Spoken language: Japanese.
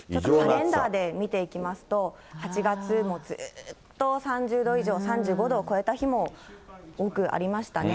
カレンダーで見ていきますと、８月もずーっと３０度以上、３５度を超えた日も多くありましたね。